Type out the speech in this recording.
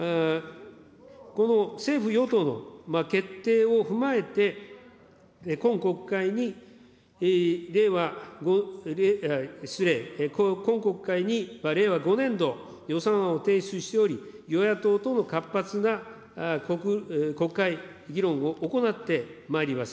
この政府・与党の決定を踏まえて、今国会では、失礼、今国会に、令和５年度予算案を提出しており、与野党との活発な国会議論を行ってまいります。